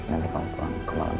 nanti kalau pulang ke malam